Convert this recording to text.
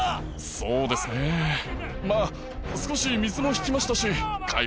そうですねまぁ少し水も引きましたし。